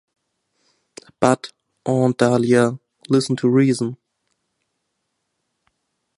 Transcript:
But, Aunt Dahlia, listen to reason.